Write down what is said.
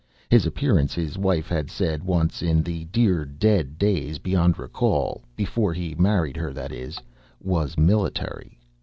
His appearance, his wife had said once in the dear, dead days beyond recall before he married her, that is was military.